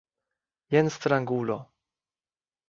Jen strangulo.